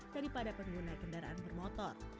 daripada pengguna kendaraan bermotor